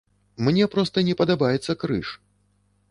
Мне проста не падабаецца крыж.